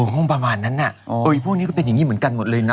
คงประมาณนั้นน่ะพวกนี้ก็เป็นอย่างนี้เหมือนกันหมดเลยนะ